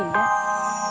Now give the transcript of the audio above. sampai jumpa lagi sojak